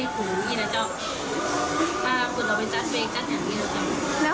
ถ้าเพิ่งเราไปจัดเบงจัดอย่างนี้นะเจ้า